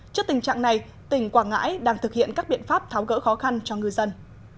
trước tình trạng này tỉnh quảng ngãi đang thực hiện các biện pháp tháo gỡ khó khăn cho ngư dân